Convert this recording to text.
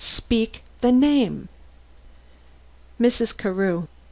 speak! the name!" "Mrs. Carew."